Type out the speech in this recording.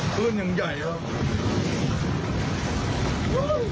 ขึ้นอย่างใหญ่